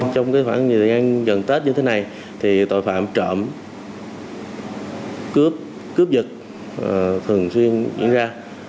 trong khoảng thời gian gần tết như thế này tội phạm trộm cướp cướp giật thường xuyên diễn ra